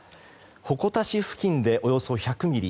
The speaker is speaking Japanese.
鉾田市付近でおよそ１００ミリ